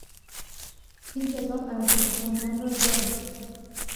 این کتاب ارزش خواندن را دارد.